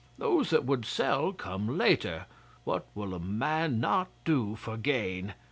Those that would sell come later what will a man not do for gain?